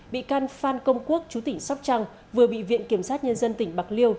bị can phan công quốc chú tỉnh sóc trăng vừa bị viện kiểm sát nhân dân tỉnh bạc liêu